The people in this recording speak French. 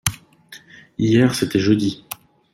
Hier c’était jeudi.